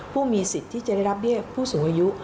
ผู้มีสิทธิ์ที่จะได้รับเบี้ยผู้สูงอายุ